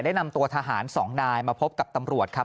ได้นำตัวทหาร๒นายมาพบกับตำรวจครับ